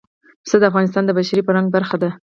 پسه د افغانستان د بشري فرهنګ برخه ده.